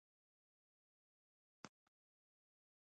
توپک د هر شي مخالف دی.